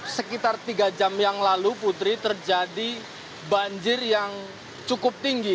sekitar tiga jam yang lalu putri terjadi banjir yang cukup tinggi